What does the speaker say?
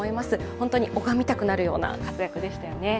本当に拝みたくなるような活躍でしたよね。